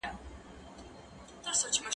دا کښېناستل له هغه ګټورې دي؟!